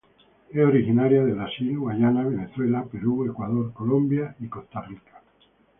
Es originaria de Brasil, Guyana, Venezuela, Perú, Ecuador, Colombia y Costa Rica.